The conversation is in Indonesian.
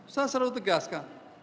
saya selalu tegaskan